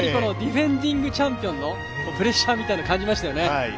ディフェンディングチャンピオンのプレッシャーみたいなのを感じましたよね。